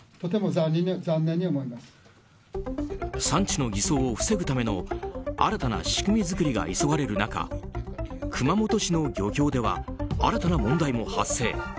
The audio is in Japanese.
産地の偽装を防ぐための新たな仕組み作りが急がれる中熊本市の漁協では新たな問題も発生。